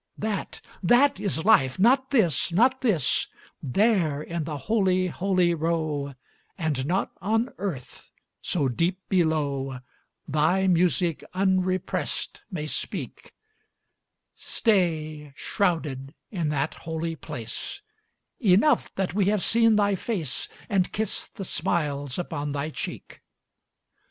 That, that is life not this not this: There in the holy, holy row And not on earth, so deep below Thy music unrepressed may speak; Stay, shrouded, in that holy place; Enough that we have seen thy face, And kissed the smiles upon thy cheek.